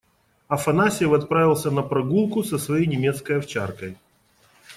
Афанасьев отправился на прогулку со своей немецкой овчаркой.